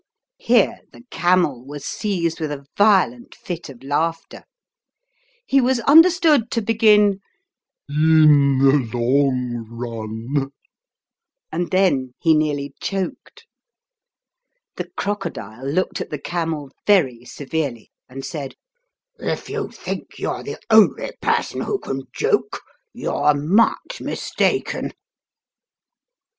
Here the camel was seized with a violent fit of laughter: he was under stood to begin "In the long run" and then he nearly choked. The crocodile looked at the camel very severely and said, "If you think you are the only person who can joke, you're much mistaken."